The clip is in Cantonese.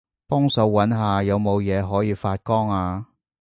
幫手搵下有冇嘢可以發光吖